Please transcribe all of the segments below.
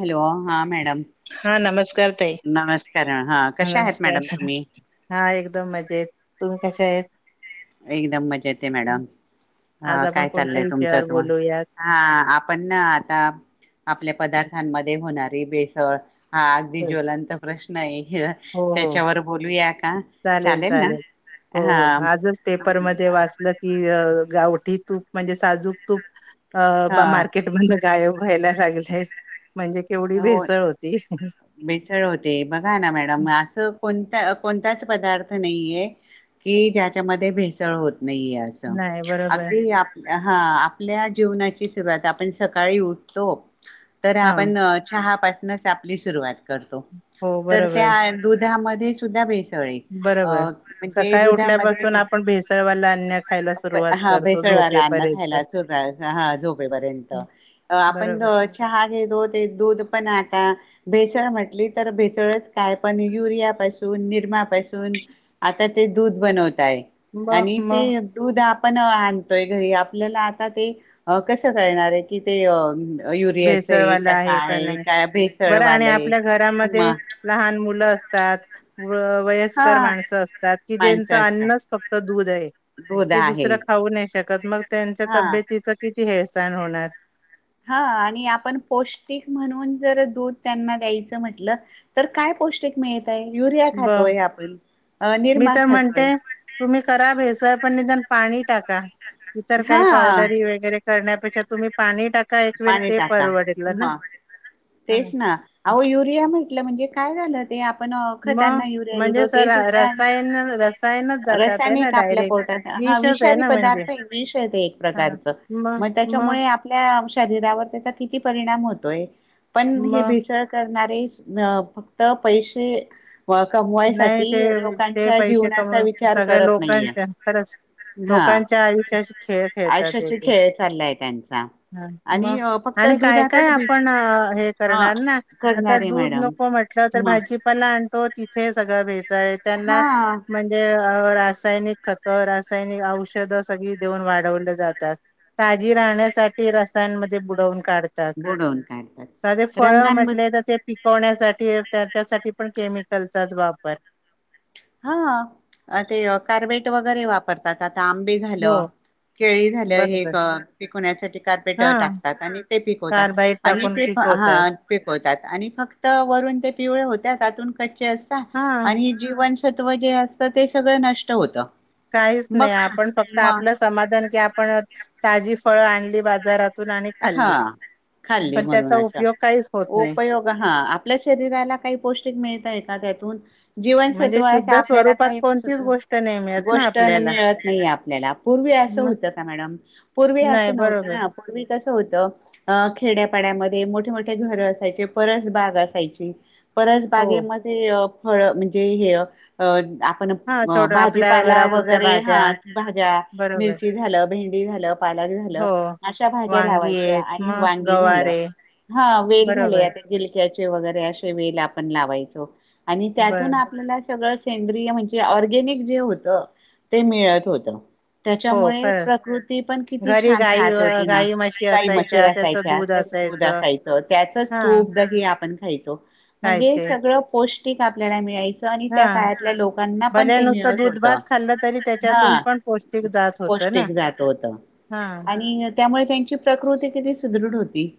Hello! हा madam. हा नमस्कार ताई नमस्कार हा अ कश्या आहेत मॅडम नमस्कार तुम्ही? हा एकदम मजेत, तुम्ही कशा आहेत? एकदम मजेत आहे मॅडम, हा आज आपण काय कोणत्या चाललंय विषयावर तुमच्यात म? बोलूयात हा आपण ना आता आपल्या पदार्थांमध्ये होणारी भेसळ‌. हा अगदी ज्वलांत प्रश्न आहे. हो हो त्याच्यावर बोलूया का? चालेल -चालेल हो- हा हो आजच. पेपर मध्ये वाचलं की गावठी तूप म्हणजे साजूक तूप. अ बा हा मार्केट ब गायब व्हायला लागलेय म्हणजे केवढी भेसळ होती. बेसळ होते बघा ना मॅडम असं कोणता कोणताच पदार्थ नाहीये. कि ज्याच्यामध्ये भेसळ होत नाही असं नाही बरोबर अगदी. हा आपल्या जीवनाची सुरवात आपण सकाळी उठतो तर हा आपण चहा पासूनच आपली सुरवात हो तर बरोबर त्या दुधामध्ये सुद्धा भेसळ बरोबर म्हणजे सकाळी उठल्यापासून दुधामध्ये. आपण भेसळवाला अन्न खायला सुरुवात हा करतो भेसळवाला अन्न झोपेपर्यंत खायला सुर हा झोपेपर्यंत आपण बरोबर चहा घेत होते दूध पण आता. भेसळ म्हटली तर भेसळच काय पण युरियापासून निरमापासून. आता ते दूध बनवताय मग आणि मग ते दुध आपण अ आणतोय घरी आपल्याला आता ते कसं कळणार आहे कि तेअ युरियाचं आहे का काय आहे का बरं आणि भेसळवालं आहे आपल्या घरामध्ये म लहान मुलं असतात व- हा वयस्कर माणसं असतात की ज्यांचं माणसं असतात अन्न फक्त त दुधहे दूध ते दुस आहे खाऊ नाही शकत मग त्यांच्या हा तब किती हेळसाण होणार? हा आणि आपण पौष्टिक म्हणून जर दूध त्यांना द्यायचं म्हटलं तर काय पौष्टिक मिळतय? युरिया ब खातोय आपण मी निरमा तर खातोय. म्हणते तुम्ही करा भेसल पण निदान पाणी टाका इतर हा काही पावडरी वगैरे करण्यापेक्षा तुम्ही पाणी टाका एक वेळ पाणी ते टाका परवडेललं ना. म ह! तेच ना अहो! युरिया म्हेटलं म्हणजे काय झालं ते पण अ मग खंत्यांना युरिया म्हणजे दिलो सर ते सुद्धा रसायन रसायनच जातात आहे ना रसायनिक आपल्या डायरेक्ट पोटात. हा विषच आहे विषारी ना म्हणजे पदार्थ विष ये ते एक हा प्रकारच मग त्याच्यामुळे त्या शरीरावर त्याचा किती परिणाम होतोय पण हे मग भेसळ करणारे सु आ फक्त पैसे नाही कमवायसाठी ते ते लोकांच्या पैसे कम जीवनाचा विचार सगळ्या करत लोकांच्या नाहीये खच हा लोकांच्या आयुष्याचे खेळ खेळतात आयुष्याचे येते. खेळ चाललाय त्यांचा ह आणि मग फक्त आणि काय काय दुधातच भे आपण हे अ करणार ना आता करणारे दूध मॅडम नको म्हट तर मग भाजीपाला आणतो तिथे सगळं भेसळ आहे त्यांना हा म्ह म्हजे रासायनिक खत रासायनिक औषधं सगळी देऊन वाढवले जातात. ताजी राहण्यासाठी रसायनमध्ये बुडवून काढते. त्यात बुडवून साधे काढतात फळं रंगांमध्ये म्हटले तर ते पिकवण्यासाठी त्याच्यासाठी पण केमिकलचाच वापर हा, ते कार्पेट वगैरे वापरतात आता आंबे झाल. हो केळी झालं, हे बरोबर पिकवण्यासाठी कार्पेट हां टाकतात आणि ते पिकवतात. कार्बाईड आणि टाकून ते पा पिकवतात आहात. पिकवतात आणि फक्त वरून ते पिवळे होत्यात त्यातून कच्चे असतात हां आणि जीवनस जीवनसत्व जे असतं ते सगळं नष्ट होत. काहीच नाही. आपण फक्त आपलं समाधान की आपण ताजी फळं आणली बाजारात तून आणि एक हा खाल्ली खाल्ली पण म्हणून त्याचा असं उपयोग काहीच होत नाही. उपयोग हा, आपल्या शरीराला काही पौष्टिक मिळतय का त्यातून म्हणजे जीवनसत्व असे शुद्ध आपल्याला स्वरूपात काही कोणतीच गोष्ट नाही मिळत ना गोष्ट आपल्याला मिळत नाहीे आपल्याला पूर्वी अस मग होतं का मॅडम? पूर्वी नाही असं नव्हतं बरोबर ना, पूर्वी कसं होत. अ खेड्यापाड्यामध्ये मोठे मोठे घर असायचे. परसबाग असायची. हो परसबागेमध्ये अ फळ म्हणजे पण हां छोट आपल्या भाजीपाला घरापुरत्या वगैरे हा, भाज्या भाज्या बरोबर मिरची झालं, भेंडी झालं, पालक झालं, हो अशा भाज्या त्याला वांगी लावायच्या आहेत आणि मग वांगी गवार झालं आहे हा वेल बरोबर झाल्या त्या दिलक्याचे वगैरे असे वेल आपण लावायचो आणि बर त्यातून आपण मला सगळं सेंद्रिय म्हणजे ऑर्गेनिक जे होत ते मिळत होत. हो त्याच्यामुळे खरंच प्रकृती पण किती घरी छान गाई राहत अ, होती ना, गाई म्हशी मच्छर असायच्या त्याचं असायच्या दूध त्यात दूध असायचं असायच त्याचच हा तूप, दही तरी आपण खायचो म्हणजे खायचे सगळ पौष्टिक आपल्या मिळायच. च आणि हा त्या काळातल्या लोकांना पण भले ते नुसतं मिळत दूध होत. भात खाल्लं तरी त्याच्यातून हा, पण पौष्टिक जात होतं ना पौष्टिक जात होत. हा, त्यामुळे त्यांची प्रकृती किती सुदृढ होती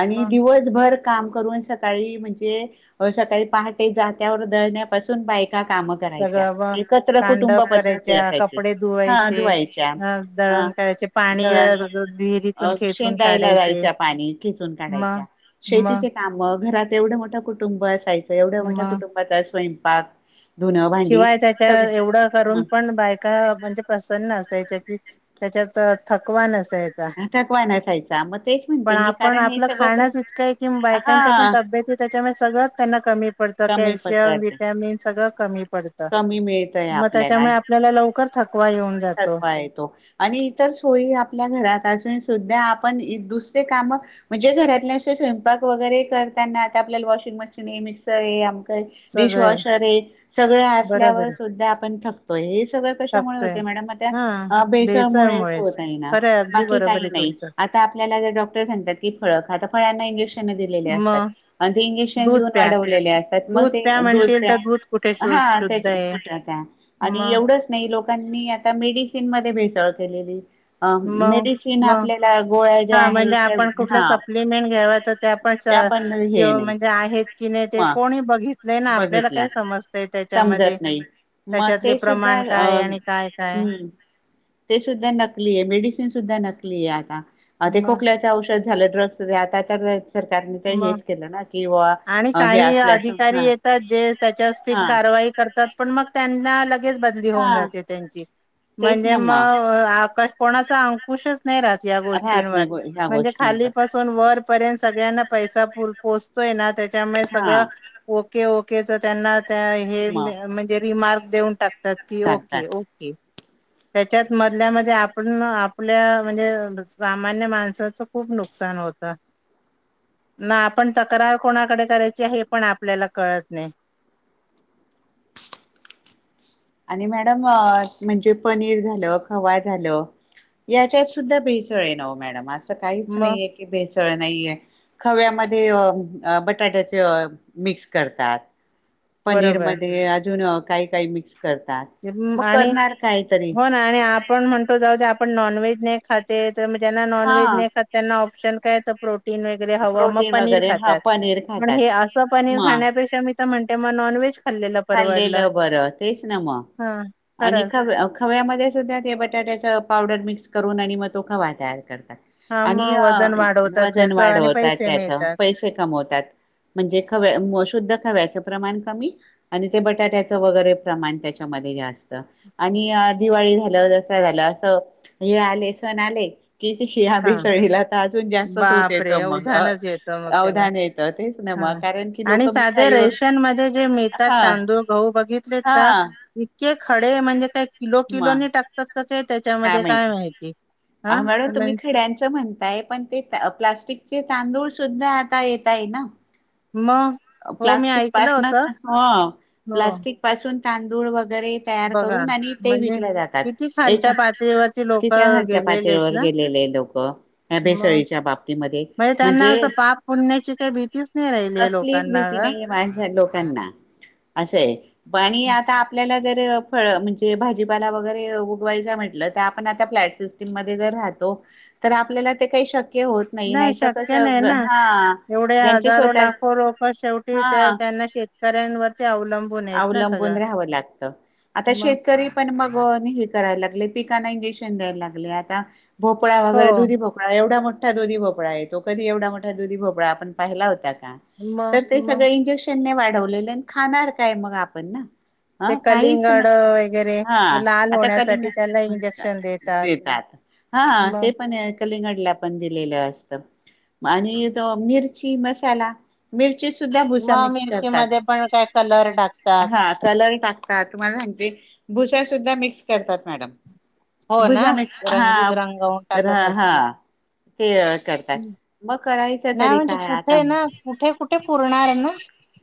आणि मग दिवस दिवसभर काम करून सकाळी म्हणजे होय, सकाळी पहाटे जात्यावर दळण्यापासून बायका काम सगळं मग कांडप करायच्या, असायची कपडे हा धुवायचे धुवायच्या अ हा दळण करायचे. पाणी दळण गळत होत विहिरीत. अ शेंदायला जायच्या पाणी खिचून काढायच्या मग मग शेतीचे कामावर घरात एवढं मोठं कुटुंब असायचं. एवढ्या मोठ्या मग कुटुंबाचा स्वयंपाक धुनं भांडी शिवाय त्याच्या एवढं सगळं करून मग पण बायका का म्हणजे प्रसन्न असायच्या कि त्याच्यात थकवा नसायच. का थकवा नसायचा मग तेच पण म्हणते मी आपण कारण हे आपलं सगळं कस खाणच इतक आहे कि, बायकांच्या पण हा तब्येतीत त्याच्यामुळे सगळं त्यांना कमी पडत. कमी कॅल्शियम, पदार्थ व्हिटामिन सगळं कमी आता कमी मिळतय मग आपल्याला त्याच्यामुळे आपल्याला लवकर थकवा येऊन जातो थकवा येतो. आणि इतर सोयी आपल्या घरात असून सुद्धा आपण एक -दुसरे काम म्हणजे घरातले असे स्वयंपाक वगैरे करताना आता आपल्याला वॉशिंग मशीन ये, मिक्सर ये सगळे डिशवॉशर ये. सगळे बरोबर असल्यावर आहे सुद्धा आपण थकतोय हे सगळ थकतोय. त्यामध्ये त्या हा अपेशा मुळेच भेसळमुळेच होतय ना, खरं आहे अगदी बाकी बरोबर काही आहे नाही. तुमचं आता आपल्याला जर डॉक्टर सांगतात की, फळ खा. आता फळांना इंजेक्शन त्यांना दिलेलं असतं मग आणि ते इंजेक्शन दूध देऊन प्या वाढलेले असतात मग दूध ते प्या दूध म्हणतील तर कुठे शु हा शुद्ध त्याच्या आहे कुठ्र त्या आणि मग एवढंच नाही लोकांनी आता मेडिसिन मध्ये भेसळ केली. मग मेडिसिन मग आपल्याला गोळ्या ज्या हा आहे म्हणजे त्या आपण कुठलं हा. सप्लिमेंट घ्याव तर त्या पण त्या पण हे नाही म्हणजे आहेत की नाही ते म कोणी बघितलंय ना आपल्याला बघितला काय समज त्याच्यामध्ये समजत नाही मग त्याच्यातले ते सुद्धा प्रमाण अ काय आणि काय काय हम्म ते सुद्धा नकली आहे मेडिसिन सुद्धा नकली आहे आता. आधी मग खोकल्याच औषध झालं ड्रग्स आता तर सरकारने तर मग हेच केलं ना कि आणि हे काही असल्या असं ह. ते कारवाई करत पण म त्यांना लगेच बदली हा होऊन जाते त्यां तेच म्हणजे ना म मग आकाश कोणाचा अंकुशच नाही राहत या राहत गोष्टींवर नाही ह्या म्हणजे गोष्टींवर खालीपासून वर पर्यंत सगळ्यांना पैसा पोचतोय ना त्याच्यामुळे हा सगळं ओके ओके तर त्यांना हे म म्हणजे रिमार्क देऊन टाकतात की ओके टाकतात ओके. त्याच्यात मधल्यामध्ये आपण आपल्या म्हणजे सामान्य माणसाचं खूप नुकसान होतं. ह. ना आपण तक्रार कोणाकडे करायची हे पण आपल्याला कळत नाही. आणि मॅडम म्हणजे पनीर झालं खवा झालं. याच्यात सुद्धा भेसळ आहे नाव मॅडम असं काहीच मग नाहीय. भेसळ नाहीये खव्यामध्ये बटाट्याचे मिक्स करतात. पनीर बरोबर मध्ये अजून काही काही मिक्स करतात. हम्म मग आणि करणार काहीतरी हो ना आणि पण म्हणतो जाऊद्या आपण नॉनव्हेज नाही खाते तर त्यांना नॉनव्हेज हा नाही खात त्यांना ऑप्शन काय तर प्रोटन वै हवं मग प्रोटीन पनीर वगैरे हा खाता पनीर पण खातात हे अस पनीर मग खाल्या पेक्षा मी तर म्हणते नॉनव्हेज खाल्लेलं परवडलं. खाल्लेलं बरं तेच ना मग हां आणि खरंच ख खव्यामध्ये सुद्धा ते बटाट्याच पावडर मिक्स करून आणि मग तो खवा तयार करतात. हां आणि मग वजन वाढवतात वजन त्याचं आणि वाढवतात पैसे त्याच मिळतात. पैसे कमवतात म्हणजे शुद्ध खव्याचं प्रमाण कमी आणि ते बटाट्याचं वगैरे प्रमाण त्याच्यामध्ये जास्त आणि दिवाळी झालं. झालं असं हे आले सण आले. किती या हां भेसाळीला तर अजून जास्तच होत येत बापरे! मग उधाणच येतं मग त्याला. अवधान येत. हा तेचिनेमा कारण की आणि लोक साधे मिठाई व. रेशन मध्ये जे मिळतात तांदूळ घहू बघितलेत का इतके खडे म्हणजे काय किलो म किलोने टाकतात. त्याच्यामध्ये काय माहिती. हा मॅडम तुम्ही खड्यांचं म्हणताय पण ते प्लास्टिकचे तांदूळ सुद्धा आता येत आहे ना. म. प्लास्टिक पासनच हो हो प्लास्टिक पासून तांदूळ वगैरे तयार बघा करून आणि ते म्हणजे विकले जातात किती ए खालच्या पातळीवरती लोक तिच्या घरच्या गेलेले आहेत पातळीवर ना गेलेले लोक. भेसळीच्या बाबतीमध्ये म्हणजे त पाप पुण्याची काही भीतीच नाही राहिली. कुठलीच लोकांना भीती का नाही मा लोकांना असं प आता आपल्याला फ म्हणजे भाजीपाला वगैरे उगवायचा म्हंटलं तर आपण आ फ्लॅट सिस्टीम मध्येर राहतो. तर आपल्याला ते काही शक्य होत नाही नाहीत कस शक्य नाही ना हा ज्यांचे स्वतः. प शेवटी त्या हा त्यांना शेतकऱ्यांवरती अवलंबून आहेत ना. सगळं कोणतरी राहावं लागत. आता मग शेतकरी. पण हे करायला लागले पिकना इंजेक्शन द्यायला लागले आता भोपळा हो वगैरे दुधी भो''--'' एवढा मोठा दुधी भोपळा येतो कधी एवढा मोठा दुधी भोपळा आपण पाहिला होता का. मग तर ते सगळे मग इंजेक्शने वाढवलेले खाणार काय मग आपण ना. ते हा काहीच म्ह कलिंगड वगैरे हा लाल आता कलिंग होण्यासाठी त्याला इंजेक्शन देतात. हा ते मग पण हाईत. कलिंगडला पण दिलेलं असत आणि तो मिरची मसाला. मिरची सुद्धा भुसा मग मिक्स करतात मिरचीमध्ये पण काय कलर टाकतात हा कलर टाक''--'' का तुम्हाला सांगते भुसा सुद्धा मिक्स करतात मॅडम. हो ना बुसा मी हा रंगीत रंगवून टाकत हा. असतील ते करतात मग करायचं नाही तरी म्हणजे काय आता. कुठे ना कुठे कुठे पुरणार ना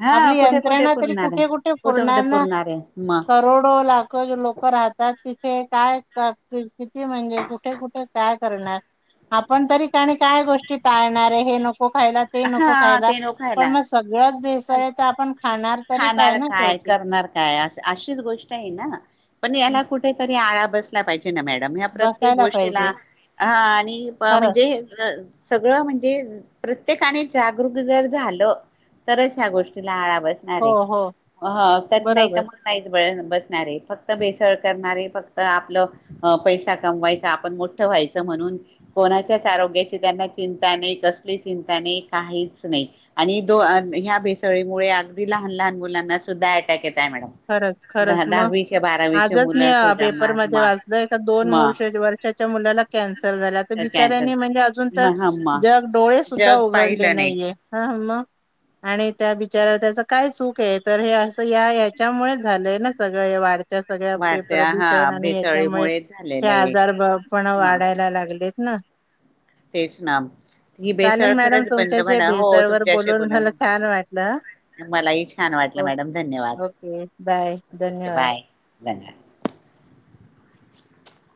हा आपली कुठे कुठे यंत्रणा तरी पुरणार आहे. कुठे कुठे कुठे पुरणार ना. आहे मग करोडो लाख ज लोक. ल राहतात तिथे काय क की किती म्हणजे कुठे कुठे काय करणार. आपण तरी काणी काय गोष्टी टाळणार आहे हे नको खायला ते नको हा खायला ते नो पण खायला मस्''--'' सगळ्याच भेसळ आपण ख''--'' खाणार काय करणार. काय असं अशीच गोष्ट आहे ना पण हं, याला कुठेतरी आळा बसला पाहिजे. ते ना मॅडम ह्या प्रत्येक बसायला गोष्टीला पाहिजे हा आणि प खरंच म्हणजे. सगळं म्हणजे प्रत्येकाने जागरूक जर झालं. तरच ह्या गोष्टीला आळा बसणार हो आहे हो ह त नाही तर बरोबर मग. काहीच बळ बसणारे फक्त भेसळ करणारे फक्त आपलं. अ पैसा कमवायचा आपण मोठं व्हायचं म्हणून. कोणाच्याच आरोग्याची त्यांना चिंता नाही कसली चिंता नाही काहीच नाही. आणि दो ह्या भेसळीमुळे अगदी लहान लहान मुलांना सुद्धा अटॅक येत आहे मॅडम. खरच दहा खरंच मग दहावीचे बारावीचे आजच मी मुलं अ सुद्धा पेपरमध्ये म वाचल का दोन म वर्ष बारक्या. च्या मुलाला. कॅन्सर झाल्या तर कॅन्सर बिचाऱ्यांनी म्हणजे अजून तर म ह म जग डोळे सुद्धा जग उघडले पाहिलं नाही नाहीये. हा मग आणि त्या बिचाराला त्याच काय चूक आहे तर हे असं या. त्याच्यामुळे झालंय ना सगळं वाढत. सगळ्या प वाढत्या हा प्रदूषण आणि याच्यामुळे भेसळीमुळे हे झालेलं आहे आजार पण मग वाढायला लागलेत. ना, तेच ना म ही चालेल बेसळ मॅडम खरंच बंद तुमच्याशी म्हणा हो भेसळवर तुमच्याशी बोलून बोला? मला छान वाटलं मलाही छान वाटलं मॅडम धन्यवाद. एक एक [unintelligible] हो बाय ओके धन्यवाद बाय धन्यवाद.